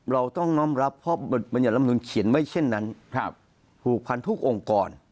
เราต้องน้อมรับเพราะบรรยัติลำนุนเขียนไว้เช่นนั้นผูกพันทุกองค์กร